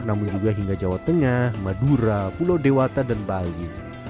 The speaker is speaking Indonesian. namun juga hingga jawa tengah madura pulau dewata dan bali